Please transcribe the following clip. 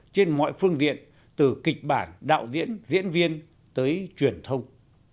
trên mọi phương diện từ kịch bản đạo diễn diễn viên tới truyền thông